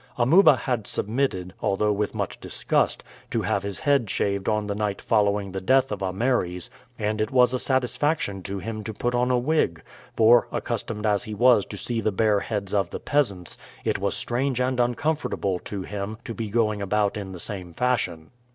Amuba had submitted, although with much disgust, to have his head shaved on the night following the death of Ameres, and it was a satisfaction to him to put on a wig; for, accustomed as he was to see the bare heads of the peasants, it was strange and uncomfortable to him to be going about in the same fashion.